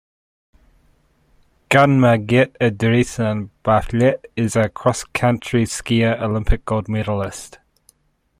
Gunn Margit Andreassen, biathlete and a cross-country skier, Olympic gold medalist.